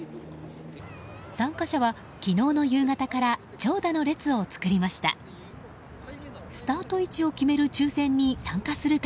参加者は昨日の夕方から長蛇の列を作りました。